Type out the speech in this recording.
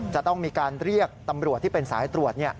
จะต้องมีการเรียกตำรวจที่เป็นสายตรวจ